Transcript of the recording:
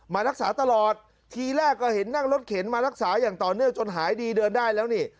มารักษาตลอดทีแรกก็เห็นนั่งรถเข็นมารักษาอย่างต่อเนื่องจนหายดีเดินได้แล้วนี่